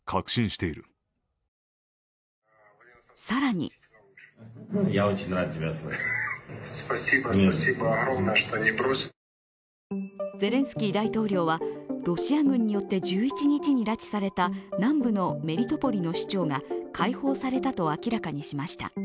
更にゼレンスキー大統領はロシア軍によって１１日に拉致された南部のメリトポリの市長が解放されたと明らかにしました。